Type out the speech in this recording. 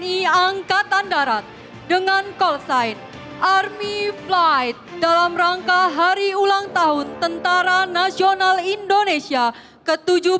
tni angkatan darat dengan call sign army flight dalam rangka hari ulang tahun tentara nasional indonesia ke tujuh puluh dua